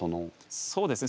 そうですね